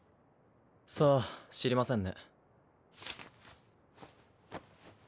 さあ知りませんね。